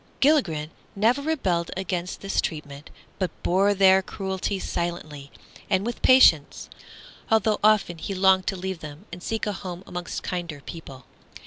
Gilligren never rebelled against this treatment, but bore their cruelty silently and with patience, although often he longed to leave them and seek a home amongst kinder people.